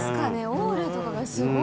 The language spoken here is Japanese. オーラとかがすごい。